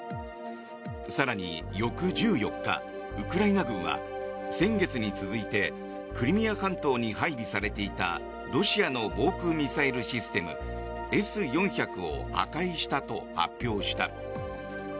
更に翌１４日、ウクライナ軍は先月に続いてクリミア半島に配備されていたロシアの防空ミサイルシステムＳ４００を破壊したと発表した。